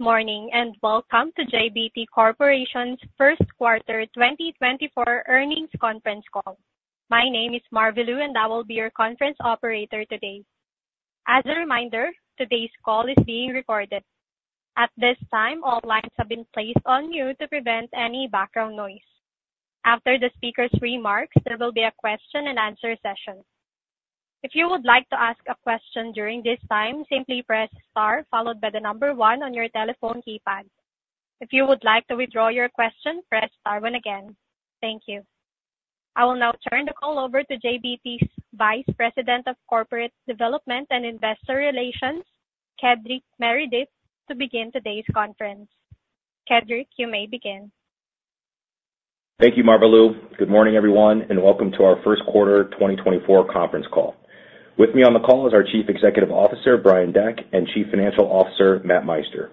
Good morning and welcome to JBT Corporation's first quarter 2024 earnings conference call. My name is Marilu, and I will be your conference operator today. As a reminder, today's call is being recorded. At this time, all lines have been placed on mute to prevent any background noise. After the speaker's remarks, there will be a question-and-answer session. If you would like to ask a question during this time, simply press star followed by the number one on your telephone keypad. If you would like to withdraw your question, press star again. Thank you. I will now turn the call over to JBT's Vice President of Corporate Development and Investor Relations, Kedric Meredith, to begin today's conference. Kedric, you may begin. Thank you, Marilu. Good morning, everyone, and welcome to our first quarter 2024 conference call. With me on the call is our Chief Executive Officer, Brian Deck, and Chief Financial Officer, Matt Meister.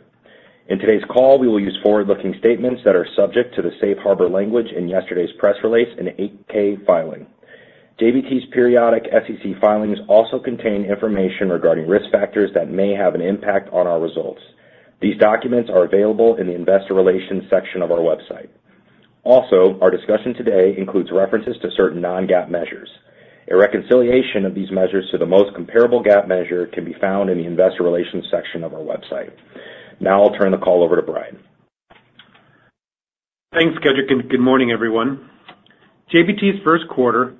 In today's call, we will use forward-looking statements that are subject to the safe harbor language in yesterday's press release and 8-K filing. JBT's periodic SEC filings also contain information regarding risk factors that may have an impact on our results. These documents are available in the Investor Relations section of our website. Also, our discussion today includes references to certain non-GAAP measures. A reconciliation of these measures to the most comparable GAAP measure can be found in the Investor Relations section of our website. Now I'll turn the call over to Brian. Thanks, Kedric, and good morning, everyone. JBT's first quarter,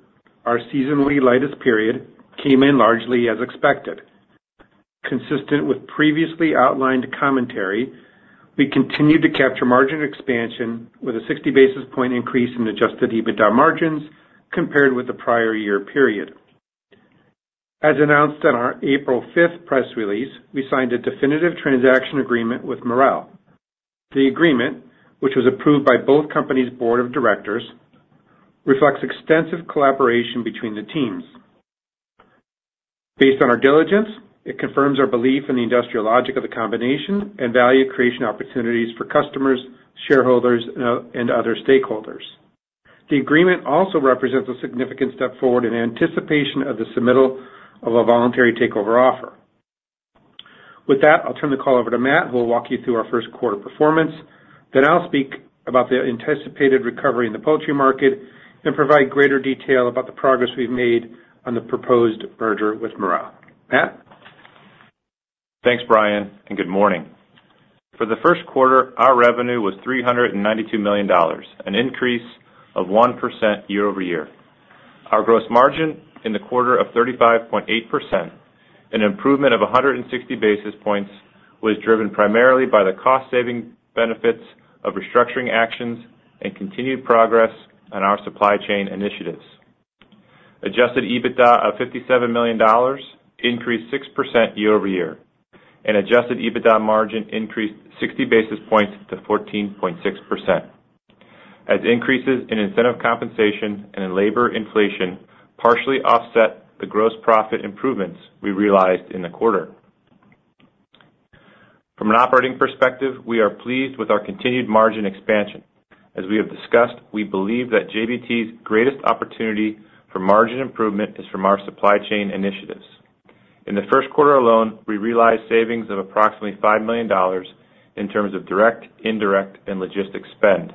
our seasonally lightest period, came in largely as expected. Consistent with previously outlined commentary, we continued to capture margin expansion with a 60 basis point increase in adjusted EBITDA margins compared with the prior year period. As announced in our April 5th press release, we signed a definitive transaction agreement with Marel. The agreement, which was approved by both companies' board of directors, reflects extensive collaboration between the teams. Based on our diligence, it confirms our belief in the industrial logic of the combination and value creation opportunities for customers, shareholders, and other stakeholders. The agreement also represents a significant step forward in anticipation of the submittal of a voluntary takeover offer. With that, I'll turn the call over to Matt, who will walk you through our first quarter performance. I'll speak about the anticipated recovery in the poultry market and provide greater detail about the progress we've made on the proposed merger with Marel. Matt? Thanks, Brian, and good morning. For the first quarter, our revenue was $392 million, an increase of 1% year-over-year. Our gross margin in the quarter of 35.8%, an improvement of 160 basis points, was driven primarily by the cost-saving benefits of restructuring actions and continued progress on our supply chain initiatives. Adjusted EBITDA of $57 million increased 6% year-over-year, and adjusted EBITDA margin increased 60 basis points to 14.6%. As increases in incentive compensation and in labor inflation partially offset the gross profit improvements we realized in the quarter. From an operating perspective, we are pleased with our continued margin expansion. As we have discussed, we believe that JBT's greatest opportunity for margin improvement is from our supply chain initiatives. In the first quarter alone, we realized savings of approximately $5 million in terms of direct, indirect, and logistics spend.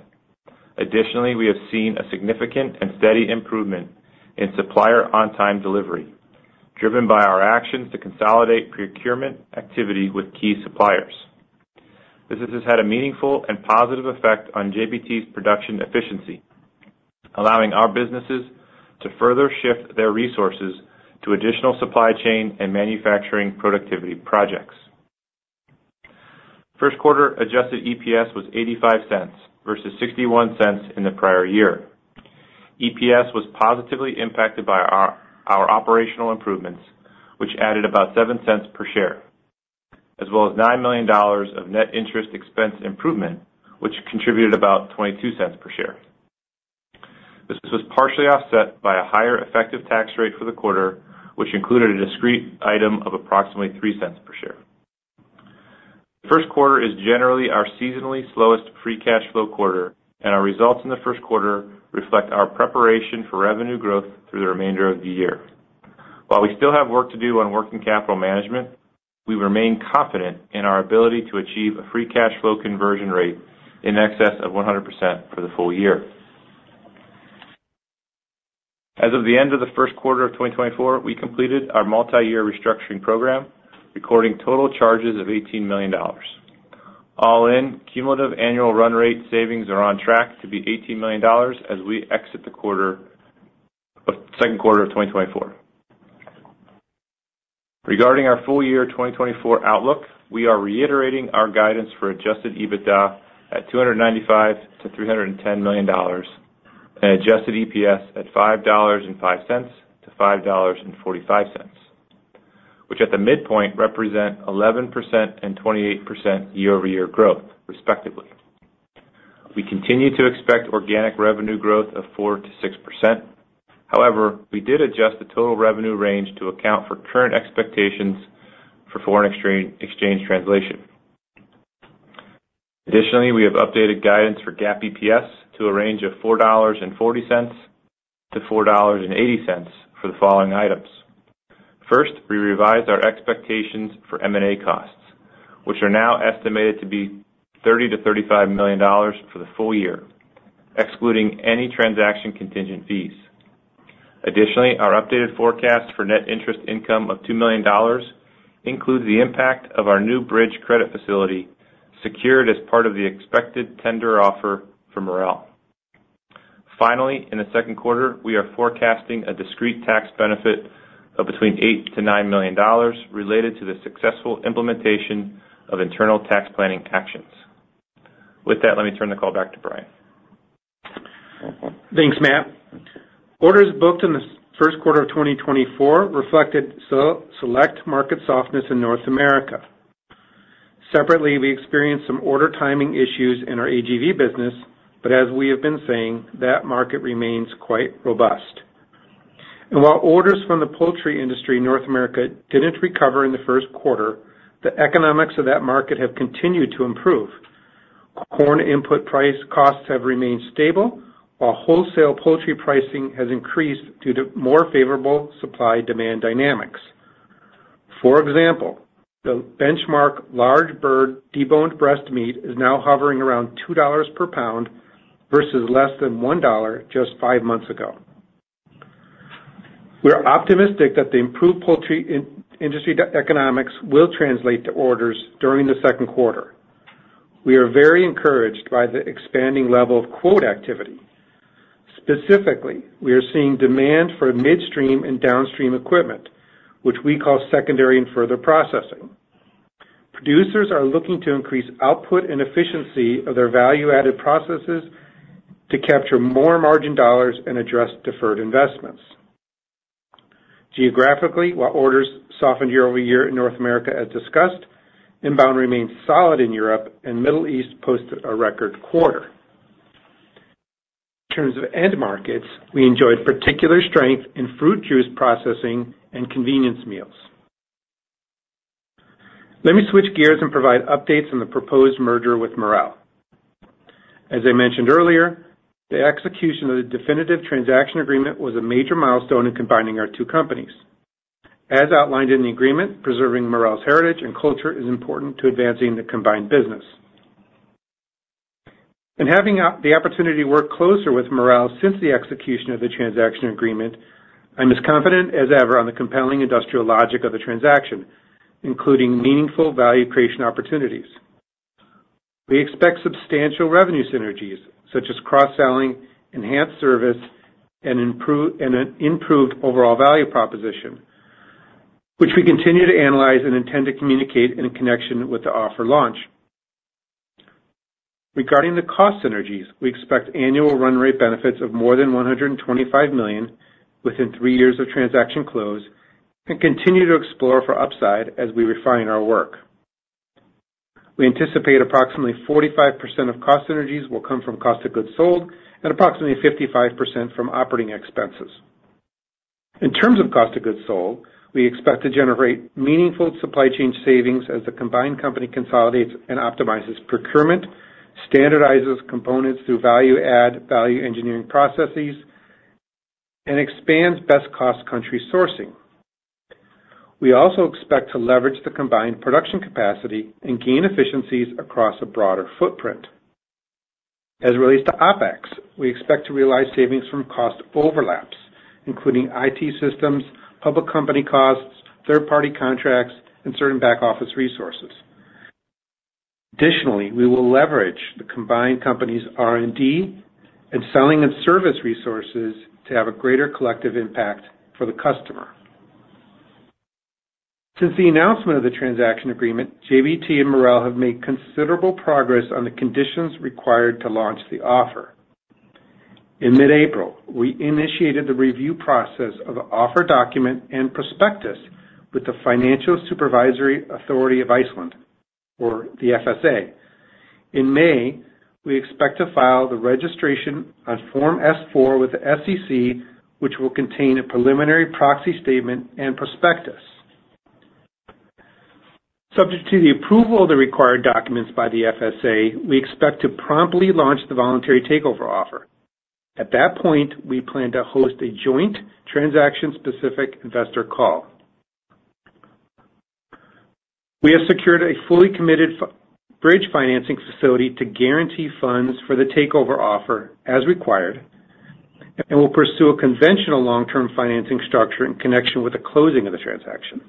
Additionally, we have seen a significant and steady improvement in supplier on-time delivery, driven by our actions to consolidate procurement activity with key suppliers. This has had a meaningful and positive effect on JBT's production efficiency, allowing our businesses to further shift their resources to additional supply chain and manufacturing productivity projects. First quarter adjusted EPS was $0.85 versus $0.61 in the prior year. EPS was positively impacted by our operational improvements, which added about $0.07 per share, as well as $9 million of net interest expense improvement, which contributed about $0.22 per share. This was partially offset by a higher effective tax rate for the quarter, which included a discrete item of approximately $0.03 per share. The first quarter is generally our seasonally slowest free cash flow quarter, and our results in the first quarter reflect our preparation for revenue growth through the remainder of the year. While we still have work to do on working capital management, we remain confident in our ability to achieve a free cash flow conversion rate in excess of 100% for the full year. As of the end of the first quarter of 2024, we completed our multi-year restructuring program, recording total charges of $18 million. All-in cumulative annual run rate savings are on track to be $18 million as we exit the second quarter of 2024. Regarding our full year 2024 outlook, we are reiterating our guidance for adjusted EBITDA at $295 million-$310 million and adjusted EPS at $5.05-$5.45, which at the midpoint represent 11% and 28% year-over-year growth, respectively. We continue to expect organic revenue growth of 4%-6%. However, we did adjust the total revenue range to account for current expectations for foreign exchange translation. Additionally, we have updated guidance for GAAP EPS to a range of $4.40-$4.80 for the following items. First, we revised our expectations for M&A costs, which are now estimated to be $30 million-$35 million for the full year, excluding any transaction contingent fees. Additionally, our updated forecast for net interest income of $2 million includes the impact of our new bridge credit facility secured as part of the expected tender offer for Marel. Finally, in the second quarter, we are forecasting a discrete tax benefit of between $8-$9 million related to the successful implementation of internal tax planning actions. With that, let me turn the call back to Brian. Thanks, Matt. Orders booked in the first quarter of 2024 reflected select market softness in North America. Separately, we experienced some order timing issues in our AGV business, but as we have been saying, that market remains quite robust. And while orders from the poultry industry in North America didn't recover in the first quarter, the economics of that market have continued to improve. Corn input price costs have remained stable, while wholesale poultry pricing has increased due to more favorable supply-demand dynamics. For example, the benchmark large bird deboned breast meat is now hovering around $2 per pound versus less than $1 just five months ago. We're optimistic that the improved poultry industry economics will translate to orders during the second quarter. We are very encouraged by the expanding level of quote activity. Specifically, we are seeing demand for midstream and downstream equipment, which we call secondary and further processing. Producers are looking to increase output and efficiency of their value-added processes to capture more margin dollars and address deferred investments. Geographically, while orders softened year-over-year in North America, as discussed, inbound remains solid in Europe, and Middle East posted a record quarter. In terms of end markets, we enjoyed particular strength in fruit juice processing and convenience meals. Let me switch gears and provide updates on the proposed merger with Marel. As I mentioned earlier, the execution of the definitive transaction agreement was a major milestone in combining our two companies. As outlined in the agreement, preserving Marel's heritage and culture is important to advancing the combined business. In having the opportunity to work closer with Marel since the execution of the transaction agreement, I'm as confident as ever on the compelling industrial logic of the transaction, including meaningful value creation opportunities. We expect substantial revenue synergies, such as cross-selling, enhanced service, and an improved overall value proposition, which we continue to analyze and intend to communicate in connection with the offer launch. Regarding the cost synergies, we expect annual run rate benefits of more than $125 million within three years of transaction close and continue to explore for upside as we refine our work. We anticipate approximately 45% of cost synergies will come from cost of goods sold and approximately 55% from operating expenses. In terms of cost of goods sold, we expect to generate meaningful supply chain savings as the combined company consolidates and optimizes procurement, standardizes components through value add, value engineering processes, and expands best cost country sourcing. We also expect to leverage the combined production capacity and gain efficiencies across a broader footprint. As it relates to OPEX, we expect to realize savings from cost overlaps, including IT systems, public company costs, third-party contracts, and certain back office resources. Additionally, we will leverage the combined company's R&D and selling and service resources to have a greater collective impact for the customer. Since the announcement of the transaction agreement, JBT and Marel have made considerable progress on the conditions required to launch the offer. In mid-April, we initiated the review process of the offer document and prospectus with the Financial Supervisory Authority of Iceland, or the FSA. In May, we expect to file the registration on Form S-4 with the SEC, which will contain a preliminary proxy statement and prospectus. Subject to the approval of the required documents by the FSA, we expect to promptly launch the voluntary takeover offer. At that point, we plan to host a joint transaction-specific investor call. We have secured a fully committed bridge financing facility to guarantee funds for the takeover offer as required and will pursue a conventional long-term financing structure in connection with the closing of the transaction.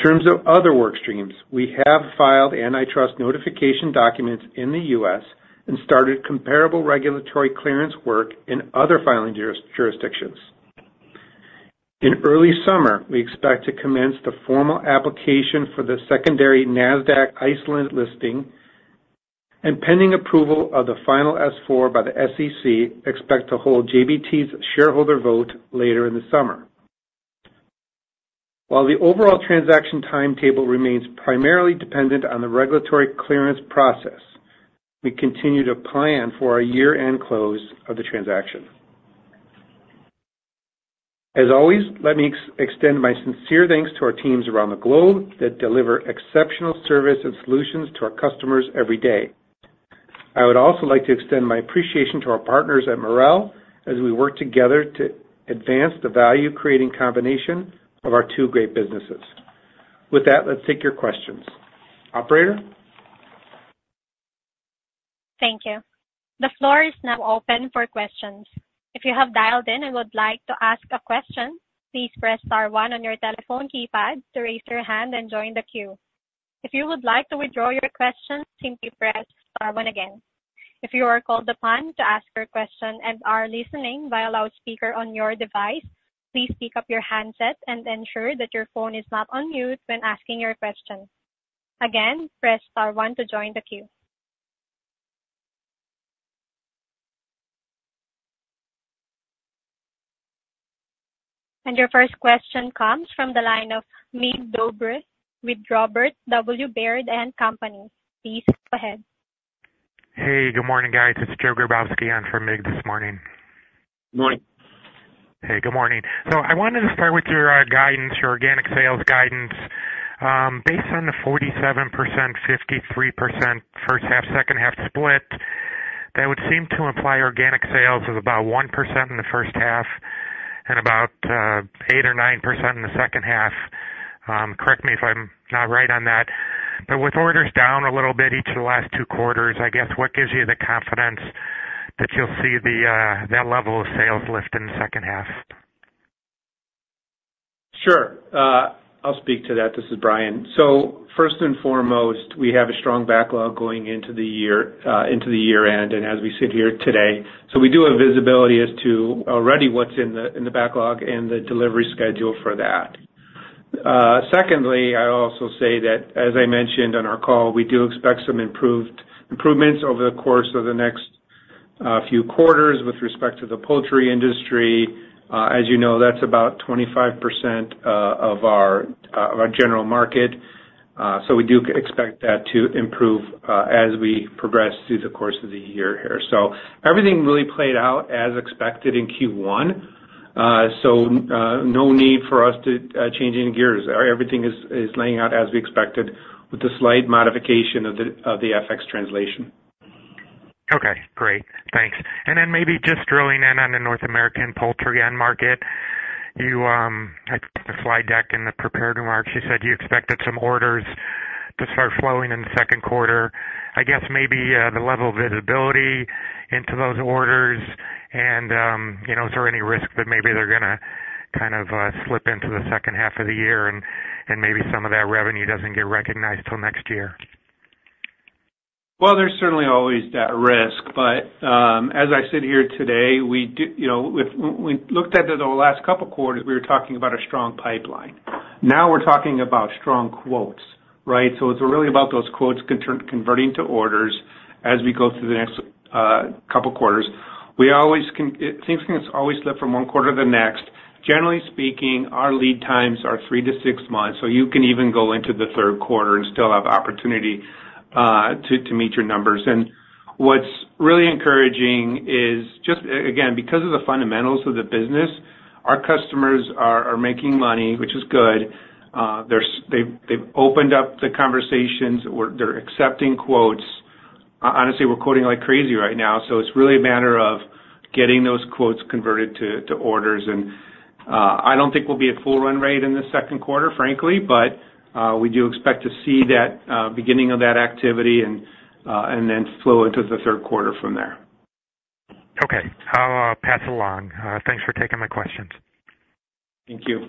In terms of other workstreams, we have filed antitrust notification documents in the U.S. and started comparable regulatory clearance work in other filing jurisdictions. In early summer, we expect to commence the formal application for the secondary NASDAQ Iceland listing, and pending approval of the final S-4 by the SEC, expect to hold JBT's shareholder vote later in the summer. While the overall transaction timetable remains primarily dependent on the regulatory clearance process, we continue to plan for our year-end close of the transaction. As always, let me extend my sincere thanks to our teams around the globe that deliver exceptional service and solutions to our customers every day. I would also like to extend my appreciation to our partners at Marel as we work together to advance the value-creating combination of our two great businesses. With that, let's take your questions. Operator? Thank you. The floor is now open for questions. If you have dialed in and would like to ask a question, please press star one on your telephone keypad to raise your hand and join the queue. If you would like to withdraw your question, simply press star one again. If you are called upon to ask your question and are listening via loudspeaker on your device, please pick up your handset and ensure that your phone is not on mute when asking your question. Again, press star 1 to join the queue. Your first question comes from the line of Mig Dobre with Robert W. Baird & Co. Please go ahead. Hey, good morning, guys. It's Joe Grabowski on from Mig this morning. Good morning. Hey, good morning. So I wanted to start with your guidance, your organic sales guidance. Based on the 47%, 53% first-half, second-half split, that would seem to imply organic sales of about 1% in the first half and about 8% or 9% in the second half. Correct me if I'm not right on that. But with orders down a little bit each of the last two quarters, I guess what gives you the confidence that you'll see that level of sales lift in the second half? Sure. I'll speak to that. This is Brian. So first and foremost, we have a strong backlog going into the year-end and as we sit here today. So we do have visibility as to already what's in the backlog and the delivery schedule for that. Secondly, I also say that, as I mentioned on our call, we do expect some improvements over the course of the next few quarters with respect to the poultry industry. As you know, that's about 25% of our general market. So we do expect that to improve as we progress through the course of the year here. So everything really played out as expected in Q1. So no need for us to change any gears. Everything is laying out as we expected with the slight modification of the FX translation. Okay. Great. Thanks. And then maybe just drilling in on the North American poultry end market. I think the slide deck in the prepared remarks, you said you expected some orders to start flowing in the second quarter. I guess maybe the level of visibility into those orders, and is there any risk that maybe they're going to kind of slip into the second half of the year and maybe some of that revenue doesn't get recognized till next year? Well, there's certainly always that risk. But as I sit here today, we looked at the last couple of quarters, we were talking about a strong pipeline. Now we're talking about strong quotes, right? So it's really about those quotes converting to orders as we go through the next couple of quarters. Things can always slip from one quarter to the next. Generally speaking, our lead times are three to six months. So you can even go into the third quarter and still have opportunity to meet your numbers. And what's really encouraging is, again, because of the fundamentals of the business, our customers are making money, which is good. They've opened up the conversations. They're accepting quotes. Honestly, we're quoting like crazy right now. So it's really a matter of getting those quotes converted to orders. I don't think we'll be at full run rate in the second quarter, frankly, but we do expect to see the beginning of that activity and then flow into the third quarter from there. Okay. I'll pass it along. Thanks for taking my questions. Thank you.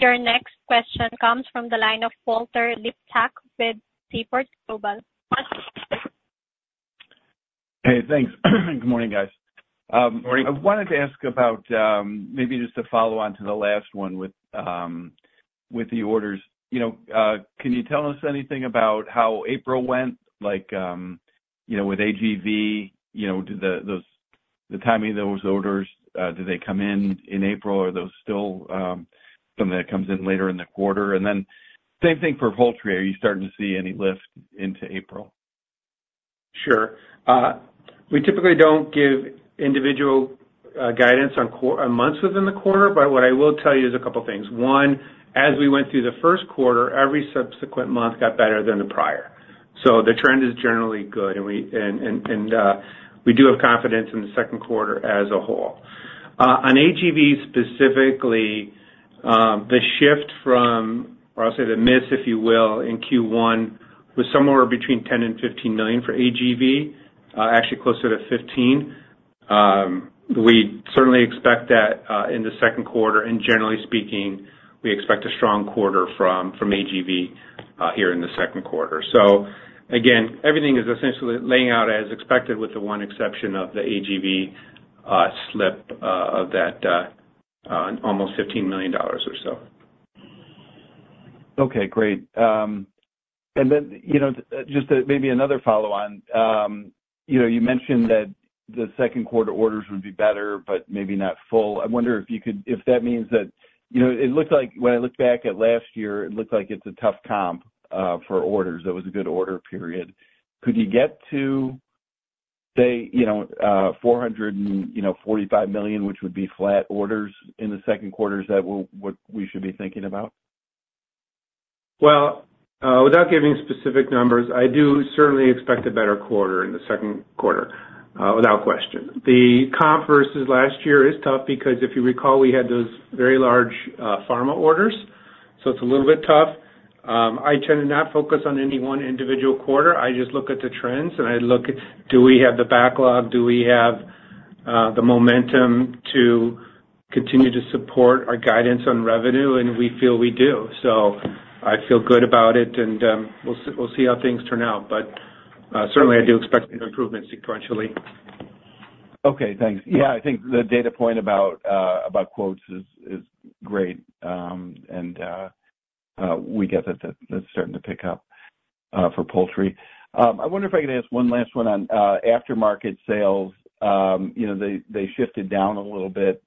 Your next question comes from the line of Walter Liptak with Seaport Global. Hey, thanks. Good morning, guys. Good morning. I wanted to ask about maybe just to follow on to the last one with the orders. Can you tell us anything about how April went with AGV? The timing of those orders, did they come in April, or are those still something that comes in later in the quarter? And then same thing for poultry. Are you starting to see any lift into April? Sure. We typically don't give individual guidance on months within the quarter, but what I will tell you is a couple of things. One, as we went through the first quarter, every subsequent month got better than the prior. So the trend is generally good, and we do have confidence in the second quarter as a whole. On AGV specifically, the shift from, or I'll say the miss, if you will, in Q1 was somewhere between $10 million-$15 million for AGV, actually closer to 15. We certainly expect that in the second quarter, and generally speaking, we expect a strong quarter from AGV here in the second quarter. So again, everything is essentially laying out as expected with the one exception of the AGV slip of that almost $15 million or so. Okay. Great. And then just maybe another follow-on. You mentioned that the second quarter orders would be better but maybe not full. I wonder if that means that it looked like when I looked back at last year, it looked like it's a tough comp for orders. It was a good order period. Could you get to, say, $445 million, which would be flat orders in the second quarter? Is that what we should be thinking about? Well, without giving specific numbers, I do certainly expect a better quarter in the second quarter, without question. The comp versus last year is tough because if you recall, we had those very large pharma orders, so it's a little bit tough. I tend to not focus on any one individual quarter. I just look at the trends, and I look at, do we have the backlog? Do we have the momentum to continue to support our guidance on revenue? And we feel we do. So I feel good about it, and we'll see how things turn out. But certainly, I do expect improvements sequentially. Okay. Thanks. Yeah, I think the data point about quotes is great, and we get that that's starting to pick up for poultry. I wonder if I could ask one last one on aftermarket sales. They shifted down a little bit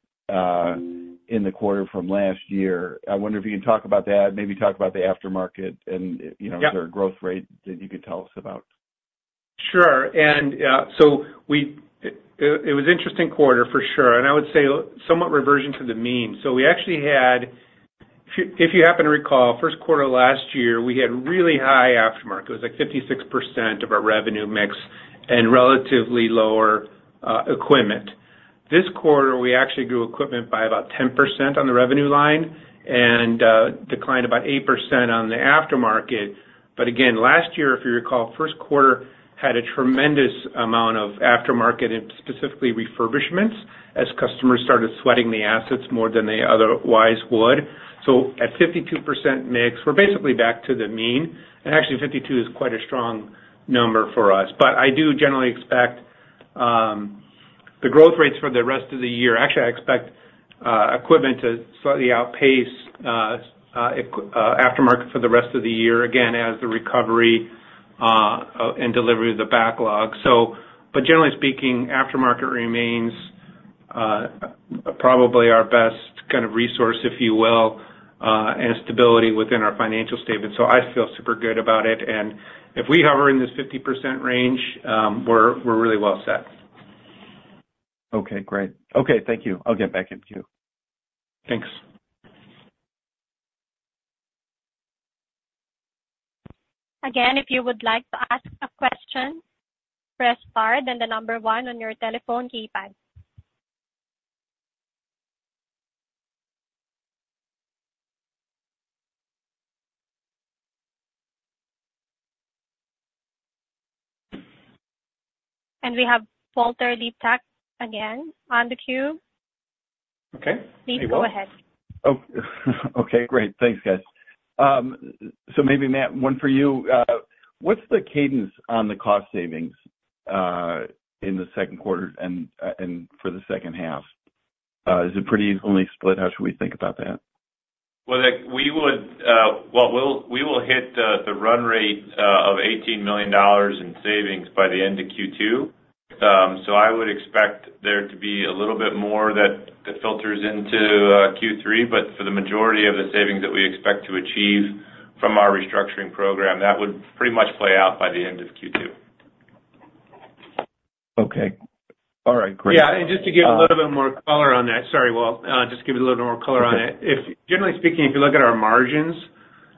in the quarter from last year. I wonder if you can talk about that, maybe talk about the aftermarket and is there a growth rate that you could tell us about? Sure. And so it was an interesting quarter, for sure. And I would say somewhat reversion to the mean. So we actually had, if you happen to recall, first quarter last year, we had really high aftermarket. It was like 56% of our revenue mix and relatively lower equipment. This quarter, we actually grew equipment by about 10% on the revenue line and declined about 8% on the aftermarket. But again, last year, if you recall, first quarter had a tremendous amount of aftermarket and specifically refurbishments as customers started sweating the assets more than they otherwise would. So at 52% mix, we're basically back to the mean. And actually, 52 is quite a strong number for us. But I do generally expect the growth rates for the rest of the year. Actually, I expect equipment to slightly outpace aftermarket for the rest of the year, again, as the recovery and delivery of the backlog. But generally speaking, aftermarket remains probably our best kind of resource, if you will, and stability within our financial statements. So I feel super good about it. And if we hover in this 50% range, we're really well set. Okay. Great. Okay. Thank you. I'll get back to you. Thanks. Again, if you would like to ask a question, press star then the number one on your telephone keypad. We have Walter Liptak again on the queue. Okay. He will. Please go ahead. Okay. Great. Thanks, guys. So maybe, Matt, one for you. What's the cadence on the cost savings in the second quarter and for the second half? Is it pretty evenly split? How should we think about that? Well, we will hit the run rate of $18 million in savings by the end of Q2. So I would expect there to be a little bit more that filters into Q3. But for the majority of the savings that we expect to achieve from our restructuring program, that would pretty much play out by the end of Q2. Okay. All right. Great. Yeah. And just to give a little bit more color on that, sorry, Walt. Just to give you a little bit more color on it. Generally speaking, if you look at our margins,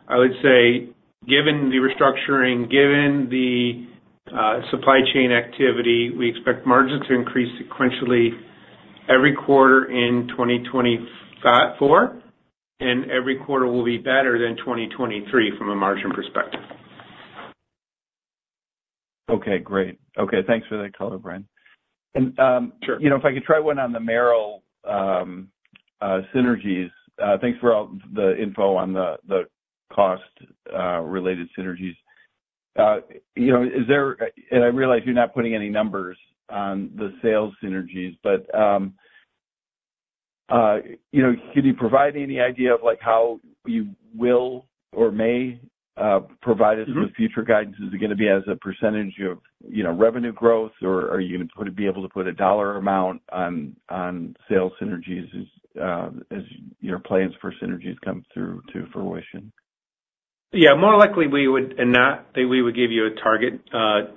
I would say, given the restructuring, given the supply chain activity, we expect margins to increase sequentially every quarter in 2024, and every quarter will be better than 2023 from a margin perspective. Okay. Great. Okay. Thanks for that color, Brian. And if I could try one on the Marel synergies. Thanks for all the info on the cost-related synergies. Is there, and I realize you're not putting any numbers on the sales synergies, but can you provide any idea of how you will or may provide us with future guidance? Is it going to be as a percentage of revenue growth, or are you going to be able to put a dollar amount on sales synergies as your plans for synergies come to fruition? Yeah. More likely, we would not. We would give you a target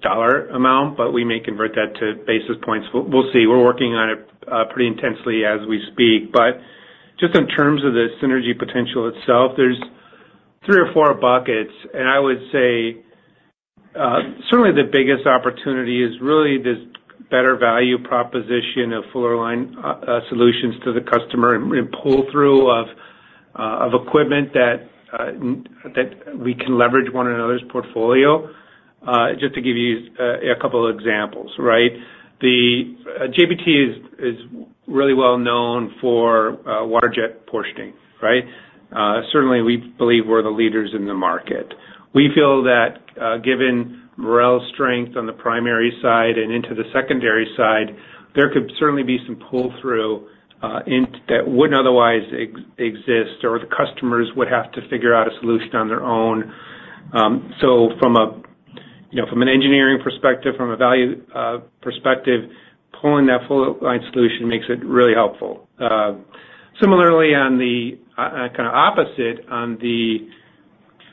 dollar amount, but we may convert that to basis points. We'll see. We're working on it pretty intensely as we speak. But just in terms of the synergy potential itself, there's three or four buckets. And I would say certainly the biggest opportunity is really this better value proposition of fuller line solutions to the customer and pull-through of equipment that we can leverage one another's portfolio. Just to give you a couple of examples, right? JBT is really well known for water jet portioning, right? Certainly, we believe we're the leaders in the market. We feel that given Marel's strength on the primary side and into the secondary side, there could certainly be some pull-through that wouldn't otherwise exist, or the customers would have to figure out a solution on their own. So from an engineering perspective, from a value perspective, pulling that fuller line solution makes it really helpful. Similarly, on the kind of opposite, on the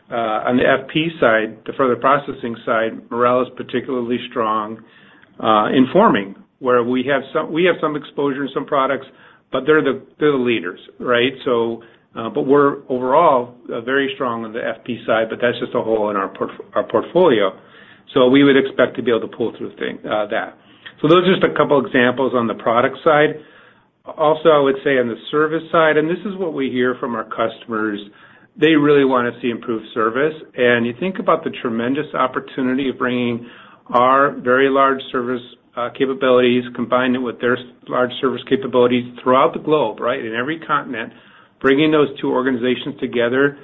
FP side, the further processing side, Marel is particularly strong in forming, where we have some exposure in some products, but they're the leaders, right? But we're overall very strong on the FP side, but that's just a hole in our portfolio. So we would expect to be able to pull through that. So those are just a couple of examples on the product side. Also, I would say on the service side and this is what we hear from our customers. They really want to see improved service. You think about the tremendous opportunity of bringing our very large service capabilities, combine it with their large service capabilities throughout the globe, right, in every continent, bringing those two organizations together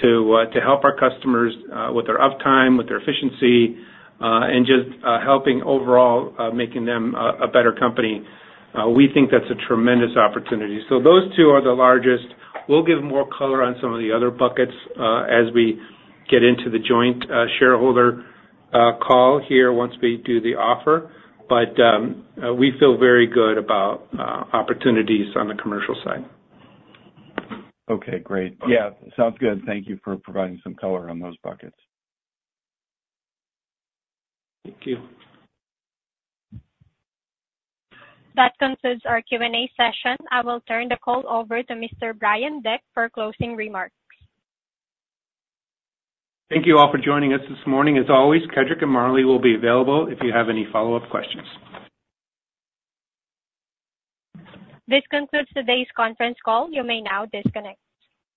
to help our customers with their uptime, with their efficiency, and just helping overall, making them a better company. We think that's a tremendous opportunity. So those two are the largest. We'll give more color on some of the other buckets as we get into the joint shareholder call here once we do the offer. But we feel very good about opportunities on the commercial side. Okay. Great. Yeah. Sounds good. Thank you for providing some color on those buckets. Thank you. That concludes our Q&A session. I will turn the call over to Mr. Brian Deck for closing remarks. Thank you all for joining us this morning. As always, Kedric and Marlee will be available if you have any follow-up questions. This concludes today's conference call. You may now disconnect.